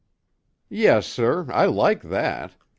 "Yes, sir. I like that.